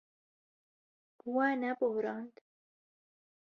We neborand.